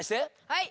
はい。